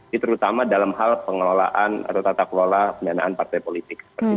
ini terutama dalam hal pengelolaan atau tata kelola pendanaan partai politik